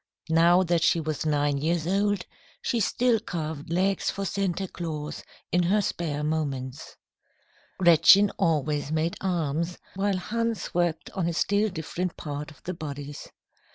Now that she was nine years old, she still carved legs for Santa Claus in her spare moments. Gretchen always made arms, while Hans worked on a still different part of the bodies.